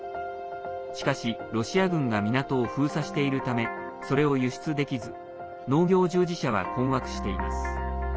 しかし、ロシア軍が港を封鎖しているためそれを輸出できず農業従事者は困惑しています。